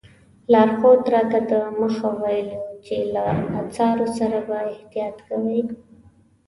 لارښود راته دمخه ویلي وو چې له اثارو سره به احتیاط کوئ.